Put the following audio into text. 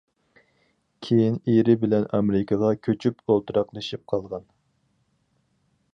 كىيىن ئېرى بىلەن ئامېرىكىغا كۆچۈپ ئولتۇراقلىشىپ قالغان.